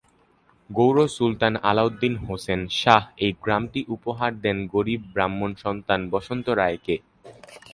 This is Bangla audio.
গৌড় সুলতান আলাউদ্দিন হোসেন শাহ এই গ্রামটি উপহার দেন গরীব ব্রাহ্মণ সন্তান বসন্ত রায়কে।